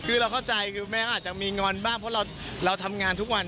คือเราเข้าใจคือแม่ก็อาจจะมีงอนบ้างเพราะเราทำงานทุกวัน